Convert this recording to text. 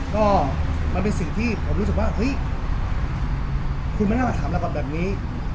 ก็มันเป็นสิ่งที่ผมรู้สึกว่าเฮ้ยคุณไม่น่ามาถามเรากับแบบนี้